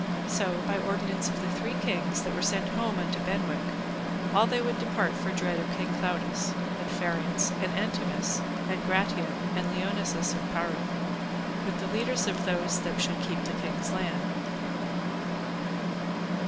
So by ordinance of the three kings that were sent home unto Benwick, all they would depart for dread of King Claudas; and Phariance, and Antemes, and Gratian, and Lionses [of] Payarne, with the leaders of those that should keep the kings' lands.